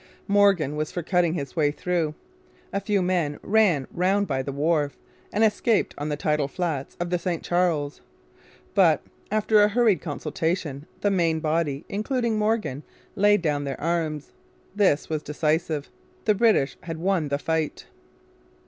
Morgan was for cutting his way through. A few men ran round by the wharf and escaped on the tidal flats of the St Charles. But, after a hurried consultation, the main body, including Morgan, laid down their arms. This was decisive. The British had won the fight.